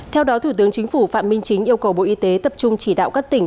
theo đó thủ tướng chính phủ phạm minh chính yêu cầu bộ y tế tập trung chỉ đạo các tỉnh